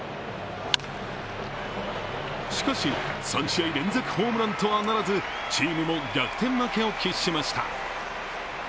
しかし、３試合連続ホームランとはならずチームも逆転負けを喫しました。